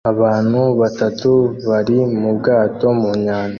Abantu batatu bari mu bwato mu nyanja